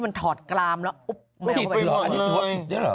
มันถอดกรามแล้วอุ๊บแมวเข้าไป